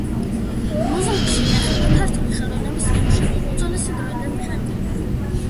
მუზეუმში ინახება ქართული ხელოვნების ნიმუშები უძველესი დროიდან დღემდე.